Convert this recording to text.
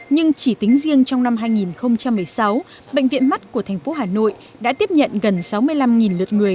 nhưng chỉ tính riêng trong năm hai nghìn một mươi sáu bệnh viện mắt của thành phố hà nội đã tiếp nhận gần sáu mươi năm lượt người